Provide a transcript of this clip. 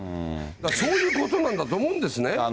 そういうことだと思うんですよ。